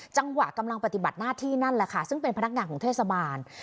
จังหวะกำลังปฏิบัติหน้าที่นั่นแหละค่ะซึ่งเป็นพนักงานของเทศบาล